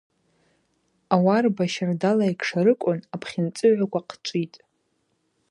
Ауарба щардала йкшарыквын, апхьынцӏыгӏваква хъчӏвитӏ.